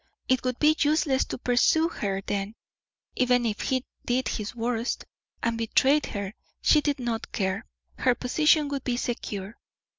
It would be useless to pursue her then; even if he did his worst, and betrayed her, she did not care, her position would be secure.